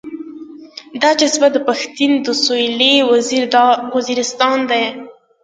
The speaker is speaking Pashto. دا جذاب پښتين د سويلي وزيرستان دی.